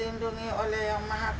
hidaya oleh allah swt